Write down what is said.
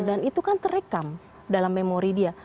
dan itu kan terekam dalam memori dia